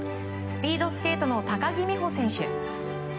スピードスケートの高木美帆選手。